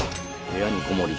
部屋にこもり